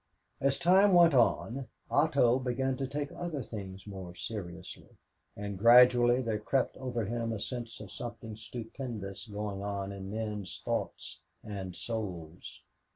As time went on, Otto began to take other things more seriously, and gradually there crept over him a sense of something stupendous going on in men's thoughts and souls.